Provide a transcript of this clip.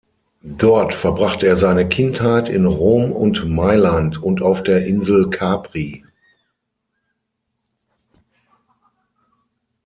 Dort verbrachte er seine Kindheit in Rom und Mailand und auf der Insel Capri.